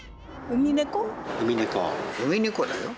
ウミネコだよ。